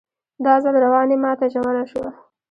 دا ځل رواني ماته ژوره شوه